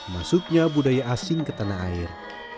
masuknya budaya asing ke tanah air